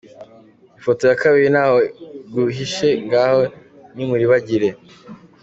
Ifoto ya kabiri ntaho iguhishe ngaho nimuribagire!